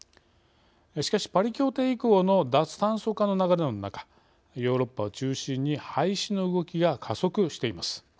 しかしパリ協定以降の脱炭素化の流れの中ヨーロッパを中心に廃止の動きが加速しています。